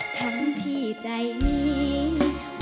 ทั้งที่ใจนี้ไม่คิดแย่งเธอมาครอง